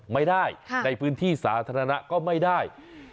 ไม่ได้ในพื้นที่สาธารณะก็ไม่ได้